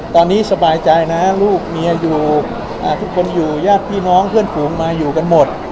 ตอนนี้สบายใจนะลูกเมียอยู่ทุกคนอยู่ญาติพี่น้องเพื่อนฝูงมาอยู่กันหมด